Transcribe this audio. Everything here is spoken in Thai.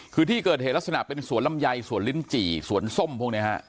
คือที่เกิดเหตุลักษณะเป็นสวนลำไยสวนลิ้นจี่สวนส้มพวกนี้ฮะ